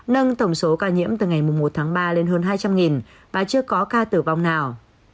nâng tổng số ca nhiễm từ ngày một tháng ba lên hơn hai trăm linh và chưa có ca tử vong nào